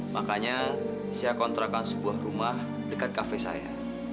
makanya saya kontrakan sebuah rumah dekat kafe saya